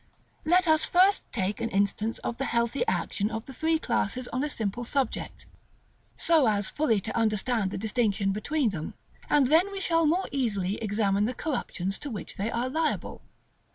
§ XLV. Let us first take an instance of the healthy action of the three classes on a simple subject, so as fully to understand the distinction between them, and then we shall more easily examine the corruptions to which they are liable.